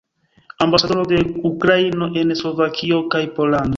Ambasadoro de Ukrainio en Slovakio kaj Pollando.